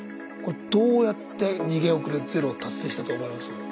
これどうやって逃げ遅れゼロを達成したと思います？